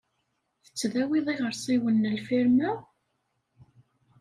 Tettdawiḍ iɣersiwen n lfirma?